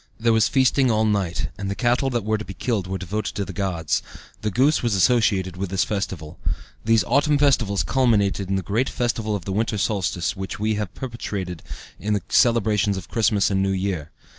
There was feasting all night, and the cattle that were to be killed were devoted to the gods; the goose was associated with this festival. These autumn festivals culminated in the great festival of the winter solstice which we have perpetuated in the celebrations of Christmas and New Year.